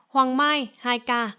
hoàng mai hai ca